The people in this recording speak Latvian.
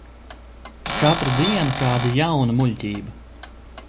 Katru dienu kāda jauna muļķība.